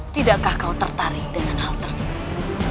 tidakkah kau tertarik dengan hal tersebut